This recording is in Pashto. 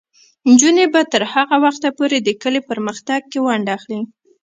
نجونې به تر هغه وخته پورې د کلي په پرمختګ کې ونډه اخلي.